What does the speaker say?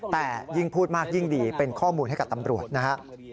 แต่ยิ่งพูดมากยิ่งดีเป็นข้อมูลให้กับตำรวจนะฮะ